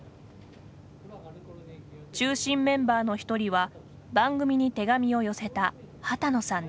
中心メンバーの一人は番組に手紙を寄せた波多野さんです。